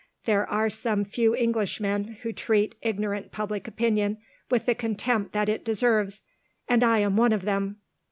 There are some few Englishmen who treat ignorant public opinion with the contempt that it deserves and I am one of them."